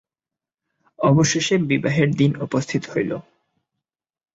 অবশেষে বিবাহের দিন উপস্থিত হইল।